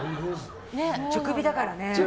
直火だからね。